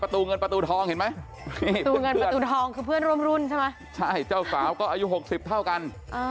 เพื่อนรวมรุนใช่ไหมใช่เจ้าสาวก็อายุหกสิบเท่ากันอ่า